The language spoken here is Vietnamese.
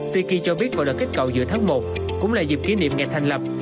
tuy kỳ cho biết vào lần kết cậu giữa tháng một cũng là dịp kỷ niệm ngày thành lập